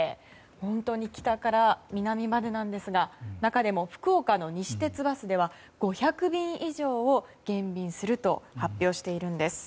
本当に北から南までなんですが中でも福岡の西鉄バスでは５００便以上を減便すると発表しているんです。